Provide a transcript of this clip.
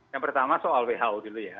yang pertama soal who dulu ya